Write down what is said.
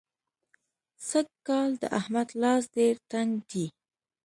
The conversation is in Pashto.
سږکال د احمد لاس ډېر تنګ دی.